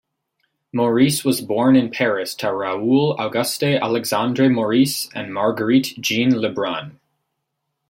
Maurice was born in Paris to Raoul Auguste Alexandre Maurice and Marguerite Jeanne Lebrun.